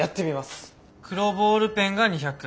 黒ボールペンが２００。